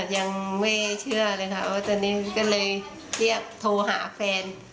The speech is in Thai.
ยังไม่เชื่อเลยค่ะว่าตอนนี้ก็เลยเรียกโทรหาแฟน